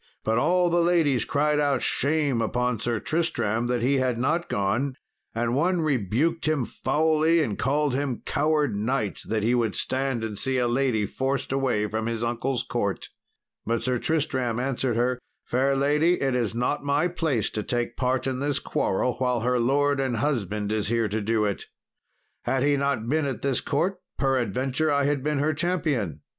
But all the ladies cried out shame upon Sir Tristram that he had not gone, and one rebuked him foully and called him coward knight, that he would stand and see a lady forced away from his uncle's court. But Sir Tristram answered her, "Fair lady, it is not my place to take part in this quarrel while her lord and husband is here to do it. Had he not been at this court, peradventure I had been her champion.